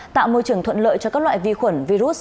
tạo môi trường thuận lợi cho các loại vi khuẩn virus